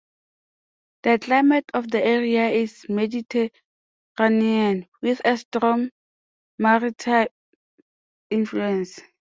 The climate of the area is Mediterranean with a strong maritime influence.